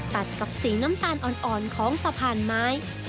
ตัดกับสีน้ำตาลอ่อนของสะพานไม้